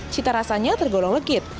cita rasanya tergolong legit